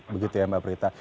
begitu ya mbak prita